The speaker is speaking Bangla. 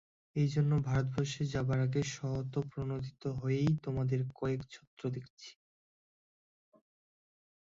এইজন্য ভারতবর্ষে যাবার আগে স্বতঃপ্রণোদিত হয়েই তোমাদের কয়েক ছত্র লিখছি।